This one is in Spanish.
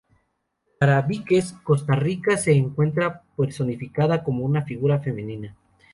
Para Víquez, Costa Rica se encuentra personificada como una figura femenina.